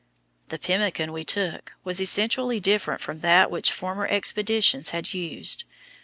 The pemmican we took was essentially different from that which former expeditions had used.